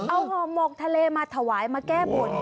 เอาห่อหมกทะเลมาถวายมาแก้บน